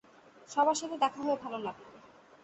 সবার সাথে দেখা হয়ে ভালো লাগল!